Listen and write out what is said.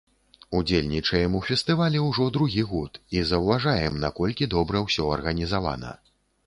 Удзельнічаем у фестывалі ўжо другі год і заўважаем, наколькі добра ўсё арганізавана.